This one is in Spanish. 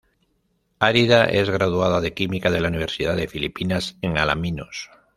Arida es graduada de Química de la Universidad de Filipinas, en Alaminos.